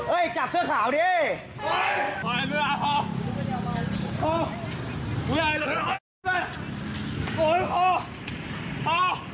โอ้ยพอพอ